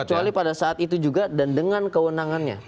kecuali pada saat itu juga dan dengan kewenangannya